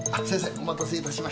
お待たせいたしました。